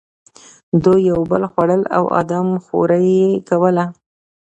دوی یو بل خوړل او آدم خوري یې کوله.